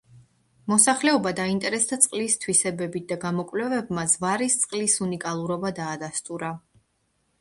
მოსახლეობა დაინტერესდა წყლის თვისებებით და გამოკვლევებმა ზვარის წყლის უნიკალურობა დაადასტურა.